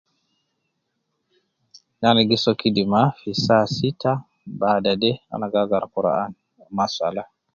Ana gi soo kidima fi saa sitta, baada de ana gi agara Quran ma swala.